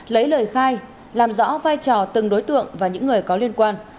lấy lời khai làm rõ vai trò từng đối tượng và những người có liên quan